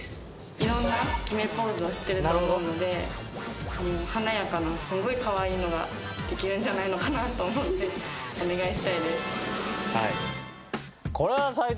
いろんな決めポーズを知ってると思うので華やかなすごい可愛いのができるんじゃないのかなと思ってお願いしたいです。